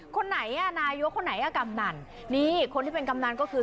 คนไหนอ่ะนายกคนไหนอ่ะกำนันนี่คนที่เป็นกำนันก็คือ